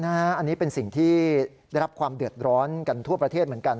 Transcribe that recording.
อันนี้เป็นสิ่งที่ได้รับความเดือดร้อนกันทั่วประเทศเหมือนกัน